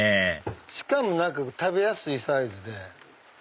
しかも食べやすいサイズで。